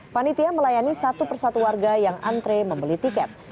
panitia melayani satu persatu warga yang antre membeli tiket